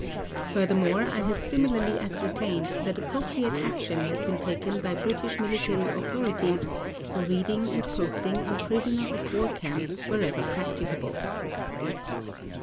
Furthermore I have similarly ascertained that appropriate action has been taken by British Military Authorities for reading and posting in Prisoner of War Camps wherever practicable.